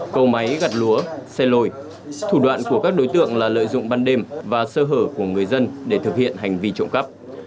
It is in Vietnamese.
cầu máy gặt lúa xây lồi thủ đoạn của các đối tượng là lợi dụng ban đêm và sơ hở của người dân để thực hiện hành vi trộm cắp